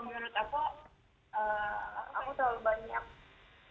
saya kalau pandemi ini nggak tahu